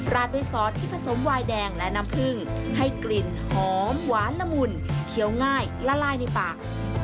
ราดด้วยซอสที่ผสมวายแดงและน้ำผึ้งให้กลิ่นหอมหวานละมุนเคี้ยวง่ายละลายในปาก